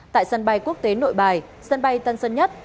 tại sân bay quốc tế nội bài sân bay tân sơn nhất